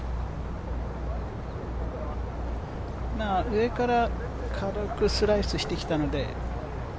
上から軽くスライスしてきたので。